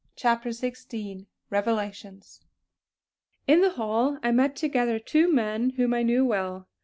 CHAPTER XVI REVELATIONS In the hall I met together two men whom I knew well.